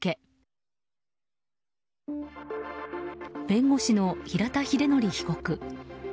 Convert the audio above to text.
弁護士の平田秀規被告。